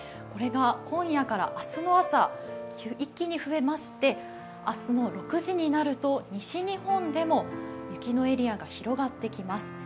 これが今夜から明日の朝、一気に増えまして明日の６時になると、西日本でも雪のエリアが広がってきます。